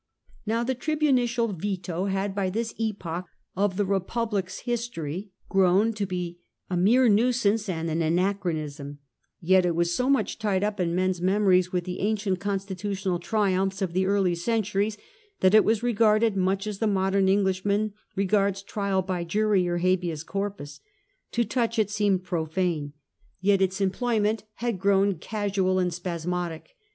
*J How the tribunicial veto had by this epoch of the Eepublic's history grown to be a mere nuisance and an anachronism; yet it was so much tied up in men's memories with the ancient constitutional triumphs of the early centuries, that it was regarded much as the modern Englishman regards Trial by Jury or Habeas Corpus. To touch it seemed profane. Yet its employment had grown THE AGRARIAN LAW OF GRACCHUS 29 casual and spasmodic.